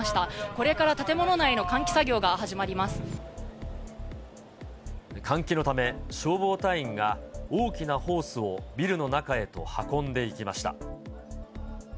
これから建物内の換気作業が始ま換気のため、消防隊員が大きなホースをビルの中へと運んでいきました。